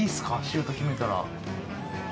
シュート決めたら。